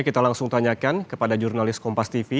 kita langsung tanyakan kepada jurnalis kompastv